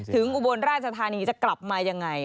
อุบลราชธานีจะกลับมายังไง